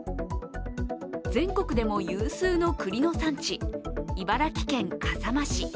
全国でも有数の栗の産地、茨城県笠間市。